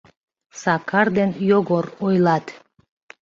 Сакар ден Йогор ойлат.